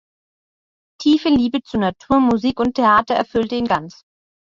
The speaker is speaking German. Tiefe Liebe zu Natur, Musik und Theater erfüllte ihn ganz.